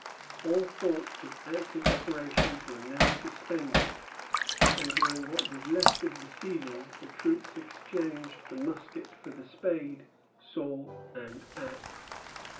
All thoughts of active operations were now suspended, and during what was left of the season the troops exchanged the musket for the spade, saw, and axe.